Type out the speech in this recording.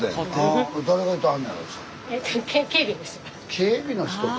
警備の人か。